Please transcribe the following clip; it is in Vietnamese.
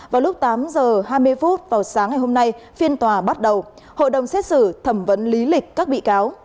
vào lúc tám h hai mươi vào sáng ngày hôm nay phiên tòa bắt đầu hội đồng xét xử thẩm vấn lý lịch các bị cáo